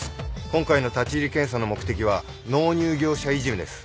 今回の立入検査の目的は納入業者いじめです。